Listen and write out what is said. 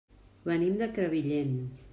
Venim de Crevillent.